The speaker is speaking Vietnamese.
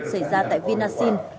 xảy ra tại vinaxin